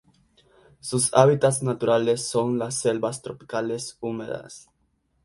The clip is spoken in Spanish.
Sus hábitats naturales son las selvas tropicales húmedas.